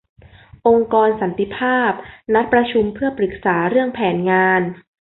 องค์กรสันติภาพนัดประชุมเพื่อปรึกษาเรื่องแผนงาน